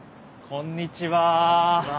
こんにちは。